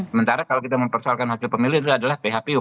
sementara kalau kita mempersoalkan hasil pemilu itu adalah phpu